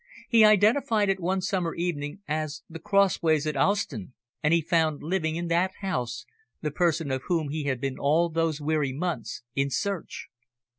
He identified it one summer evening as the crossways at Owston, and he found living in that house the person of whom he had been all those weary months in search."